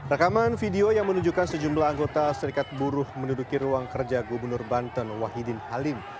rekaman video yang menunjukkan sejumlah anggota serikat buruh menduduki ruang kerja gubernur banten wahidin halim